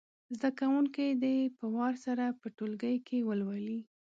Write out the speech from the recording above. زده کوونکي دې په وار سره په ټولګي کې ولولي.